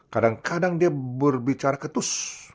kadang kadang dia berbicara ketus